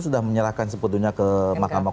sudah menyerahkan sepenuhnya ke mahkamah